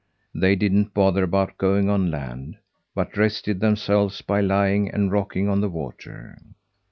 They didn't bother about going on land, but rested themselves by lying and rocking on the water.